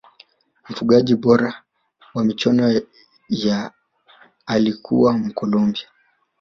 mfungaji bora wa michuano ya alikuwa mkolombia